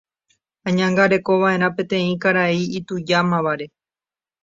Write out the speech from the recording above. Añangarekova'erã peteĩ karai itujámavare.